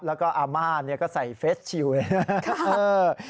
แล้วก็อาม่านี่ก็ใส่เฟสชิวเนี่ย